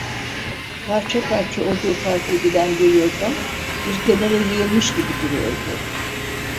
Parça parça olduğu fark edilen bir yorgan, bir kenara yığılmış gibi duruyordu.